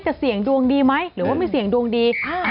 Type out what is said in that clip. แต่เศียงดวงดีไหมหรือว่ามีเศียงดวงดี